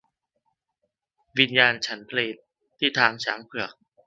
วิญญาณฉันเพลที่ทางช้างเผือก